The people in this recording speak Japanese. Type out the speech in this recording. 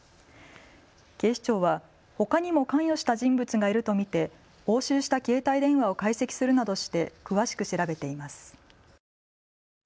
警視庁はほかにも関与した人物がいると見て押収した携帯電話を解析するなどして詳しく調べています。